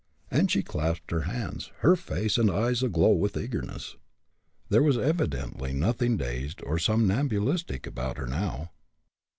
and she clasped her hands, her face and eyes aglow with eagerness. There was evidently nothing dazed or somnambulistic about her now.